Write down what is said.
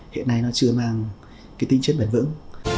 hiện nay nó chưa mang cái tính chất bền vững